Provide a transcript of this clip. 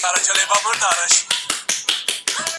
ماکس وِبر د ټولنیز عمل تفسیر کوي.